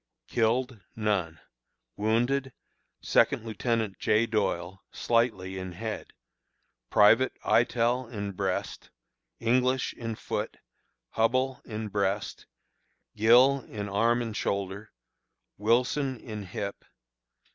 Killed: None. Wounded: Second Lieutenant J. Doyle, slightly in head; Private, Eytel, in breast; English, in foot; Hubbell, in breast; Gill, in arm and shoulder; Wilson, in hip.